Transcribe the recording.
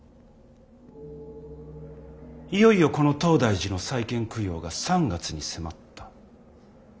いよいよこの東大寺の再建供養が３月に迫った。